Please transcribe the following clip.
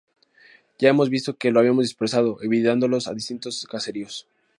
Ya hemos visto que los había dispersado, enviándolos a distintos caseríos.